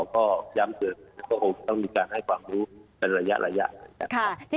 ก็ย้ำเกิดว่าผมต้องมีการให้ความรู้เป็นระยะ